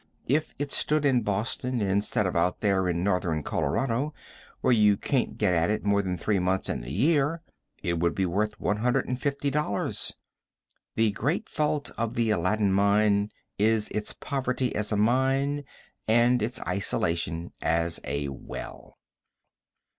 If it stood in Boston, instead of out there in northern Colorado, where you can't get at it more than three months in the year, it would be worth $150. The great fault of the Aladdin mine is its poverty as a mine, and its isolation as a well.